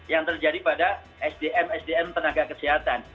yang terjadi pada sdm sdm tenaga kesehatan